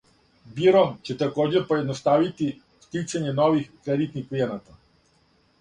Биро ће такође поједноставити стицање нових кредитних клијената.